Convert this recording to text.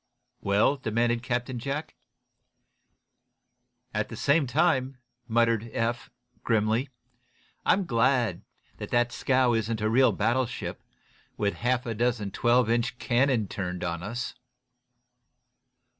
"Well?" demanded Captain Jack. "At the same time," muttered Eph, grimly, "I'm glad that scow isn't a real battleship, with a half a dozen twelve inch cannon turned on us."